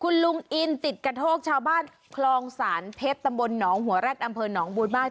คุณลุงอินติดกระโทกชาวบ้านคลองศาลเพชรตำบลหนองหัวแร็ดอำเภอหนองบัวบ้าน